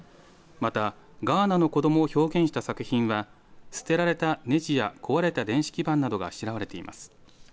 また、ガーナの子どもを表現した作品は捨てられた、ねじや壊れた電子基板などがあしらわれています。